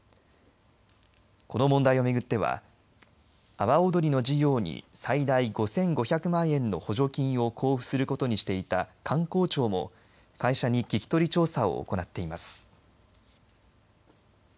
この問題を巡っては阿波おどりの事業に最大５５００万円の補助金を交付することにしていた観光庁も会社に聞き取り調査を行っています。